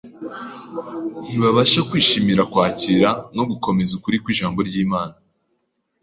ntibabasha kwishimira kwakira no gukomeza ukuri kw’Ijambo ry’Imana.